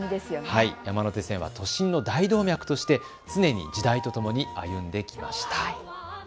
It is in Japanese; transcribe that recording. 山手線は都心の大動脈として常に時代とともに歩んできました。